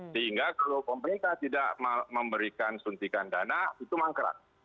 sehingga kalau pemerintah tidak memberikan suntikan dana itu mangkrak